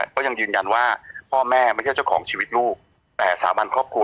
ก็ยังยืนยันว่าพ่อแม่ไม่ใช่เจ้าของชีวิตลูกแต่สาบันครอบครัว